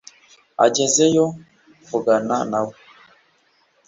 Agezeyo vugana na we